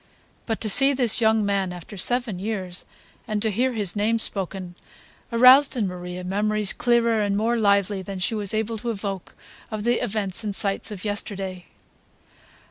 But to see this young man after seven years, and to hear his name spoken, aroused in Maria memories clearer and more lively than she was able to evoke of the events and sights of yesterday.